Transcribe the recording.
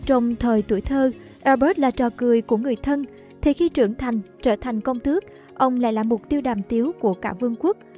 trong thời tuổi thơ elbus là trò cười của người thân thì khi trưởng thành trở thành công thước ông lại là mục tiêu đàm tiếu của cả vương quốc